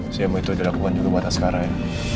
saya mau itu aja lakukan juga buat askara ya